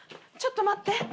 ちょっと待って。